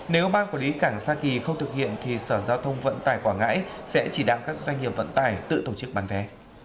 nếu ban quản lý cảng sa kỳ không thực hiện thì sở giao thông vận tải quảng ngãi sẽ chỉ đạo các doanh nghiệp vận tải tự tổ chức bán vé